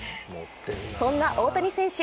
そんな大谷選手